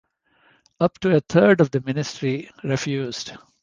Up to a third of the ministry refused.